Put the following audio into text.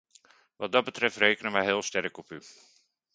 Wat dat betreft, rekenen wij heel sterk op u.